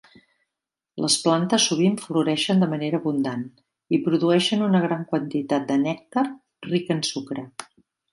Les plantes sovint floreixen de manera abundant i produeixen una gran quantitat de nèctar ric en sucre.